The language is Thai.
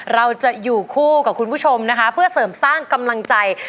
เราจะอยู่คู่กับคุณผู้ชมนะคะเพื่อเสริมสร้างกำลังใจ